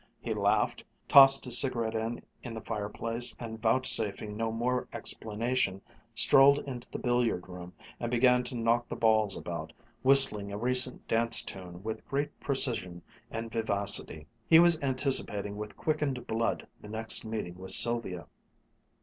He laughed, tossed his cigarette end in the fireplace, and vouchsafing no more explanation, strolled into the billiard room, and began to knock the balls about, whistling a recent dance tune with great precision and vivacity. He was anticipating with quickened blood the next meeting with Sylvia.